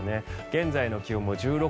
現在の気温も１６．９度。